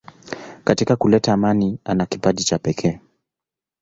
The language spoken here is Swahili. Katika kuleta amani ana kipaji cha pekee.